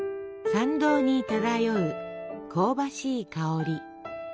参道に漂う香ばしい香り。